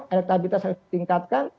elektabilitas harus ditingkatkan